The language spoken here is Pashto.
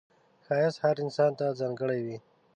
ښایست هر انسان ته ځانګړی وي